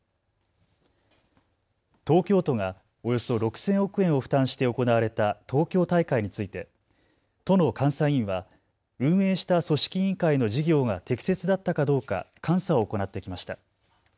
東京都がおよそ６０００億円を負担して行われた東京大会について都の監査委員は運営した組織委員会の事業が適切だったかどうか監査を行ってきました。